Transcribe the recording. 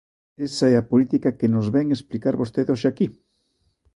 Esa é a política que nos vén explicar vostede hoxe aquí.